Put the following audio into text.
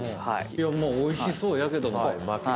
まあおいしそうやけども。